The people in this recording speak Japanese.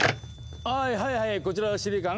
はいはいはいこちら司令官。